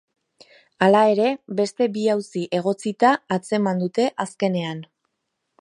Hala ere, beste bi auzi egotzita atzeman dute azkenean.